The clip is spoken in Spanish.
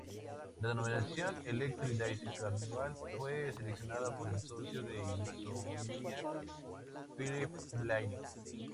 La denominación "Electric Daisy Carnival" fue seleccionada por el socio de Insomniac, "Philip Blaine".